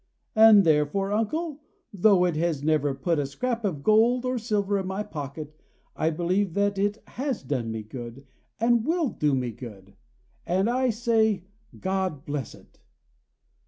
And therefore, uncle, though it has never put a scrap of gold or silver in my pocket, I believe that it has done me good, and will do me good; and I say, God bless it!"